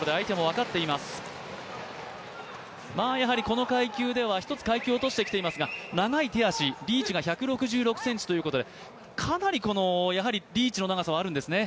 この階級では１つ階級を落としていますが長い手足、リーチが１６６ｃｍということで、かなりリーチの長さはあるんですね。